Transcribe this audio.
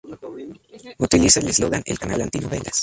Utiliza el eslogan "El canal Anti Novelas".